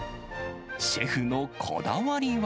シェフのこだわりは。